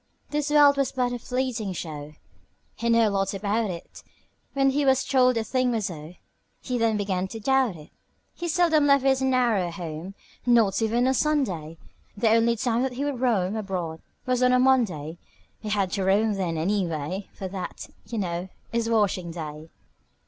This world was but a fleeting show He knew a lot about it; When he was told a thing was so He then began to doubt it. He seldom left his narrow home Not even on a Sunday; The only time that he would roam Abroad was on a Monday. He had to roam then, anyway, For that, you know, is washing day.